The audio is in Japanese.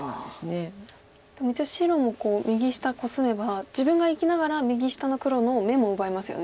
でも一応白も右下コスめば自分が生きながら右下の黒の眼も奪えますよね。